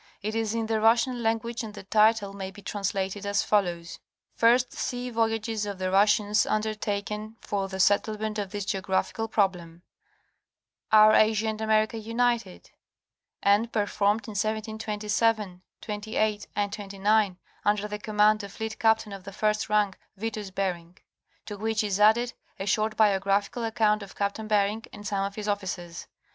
It is in the Russian language and the title may be translated as follows: First Sea Voyages of the Russians undertaken for the settle ment of this geographical problem—Are Asia and America united ?—and performed in 1727, 28 and 29, under the command of fleet captain of the first rank, Vitus Bering. To which is added a short biographical account of Captain Bering and some of his officers.